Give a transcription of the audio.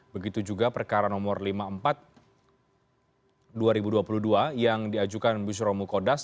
begitu juga perkara nomor lima puluh empat dua ribu dua puluh dua yang diajukan bushro mukodas